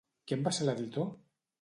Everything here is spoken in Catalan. Qui en va ser l'editor?